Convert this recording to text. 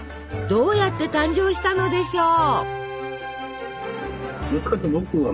どうやって誕生したのでしょう？